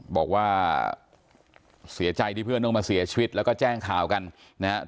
บอกว่าเสียใจที่เพื่อนต้องมาเสียชีวิตแล้วก็แจ้งข่าวกันนะครับ